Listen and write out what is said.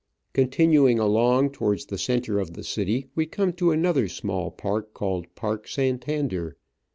Continuing along towards the centre of the city, we come to another small park, called Park Santander.